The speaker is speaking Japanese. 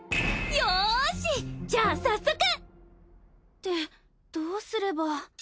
よしじゃあ早速！ってどうすれば。